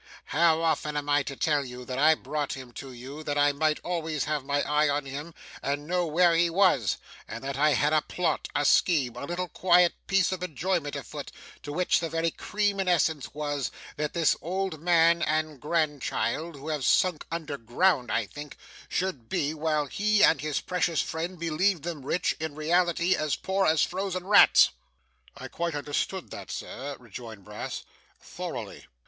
How often am I to tell you that I brought him to you that I might always have my eye on him and know where he was and that I had a plot, a scheme, a little quiet piece of enjoyment afoot, of which the very cream and essence was, that this old man and grandchild (who have sunk underground I think) should be, while he and his precious friend believed them rich, in reality as poor as frozen rats?' 'I quite understood that, sir,' rejoined Brass. 'Thoroughly.